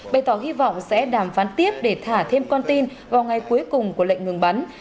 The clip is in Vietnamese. bày tỏ hy vọng sẽ đàm phán tiếp để thả thêm con tin vào ngày cuối cùng của lệnh ngừng bắn